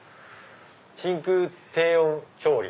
真空低温調理。